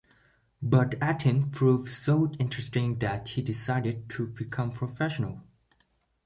But acting proved so interesting that he decided to become professional.